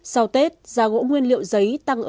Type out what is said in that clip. sau tết giá gỗ nguyên liệu giấy tăng cao